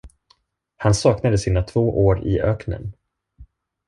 Han saknade sina två år i öknen.